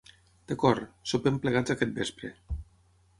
D'acord, sopem plegats aquest vespre.